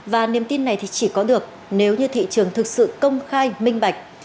và niềm tin này thì chỉ có được nếu như thị trường thực sự công khai minh bạch